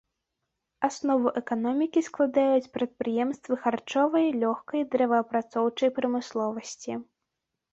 Аснову эканомікі складаюць прадпрыемствы харчовай, лёгкай, дрэваапрацоўчай прамысловасці.